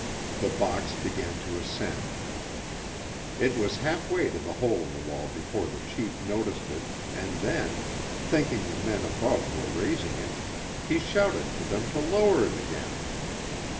The box began to ascend. It was halfway to the hole in the wall before the chief noticed it, and then, thinking the men above were raising it, he shouted for them to lower it again.